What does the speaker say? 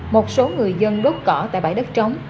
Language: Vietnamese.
một số người dân đốt cỏ tại bãi đất trống